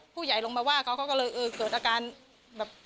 ผู้ใหญ่ลงมาว่าเขาเขาก็เลยเออเกิดอาการแบบ